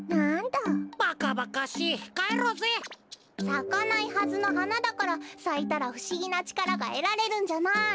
さかないはずのはなだからさいたらふしぎなちからがえられるんじゃない！